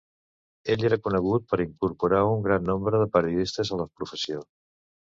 Ell era conegut per incorporar un gran nombre de periodistes a la professió.